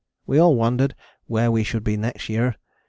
We all wondered where we should be next New Year.